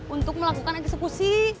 untuk melakukan eksekusi